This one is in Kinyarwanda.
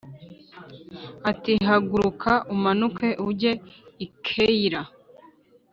ati “Haguruka umanuke ujye i Keyila